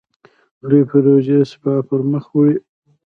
لویې پروژې سپاه پرمخ وړي.